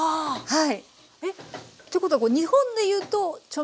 はい。